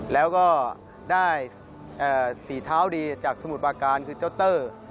แล้วก็ได้สีเท้าดีจากสมุทรปาการคือเจ้าเตอร์